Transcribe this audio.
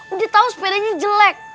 oh di tau sepedanya jelek